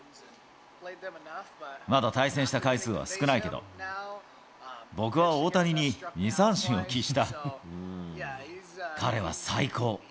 まだ対戦した回数は少ないけど、僕は大谷に２三振を喫した。